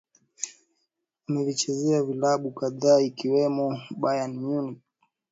Amevichezea vilabu kadhaa ikiwemo Bayern Munich